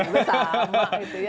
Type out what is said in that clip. sama gitu ya